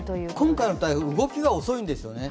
今回の台風、動きが遅いんですよね。